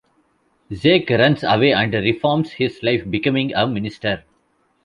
Zeke runs away and reforms his life, becoming a minister.